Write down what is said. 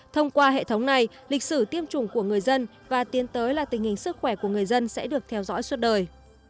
thông qua hệ thống này lịch sử tiêm chủng của người dân và tiến tới là tình hình sức khỏe của người dân sẽ được theo dõi suốt đời